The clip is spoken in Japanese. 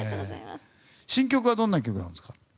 新曲はどんな曲ですか？